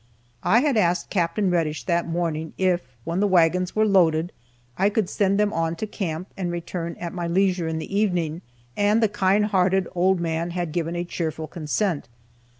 I had asked Capt. Reddish that morning if, when the wagons were loaded, I could send them on to camp, and return at my leisure in the evening, and the kindhearted old man had given a cheerful consent.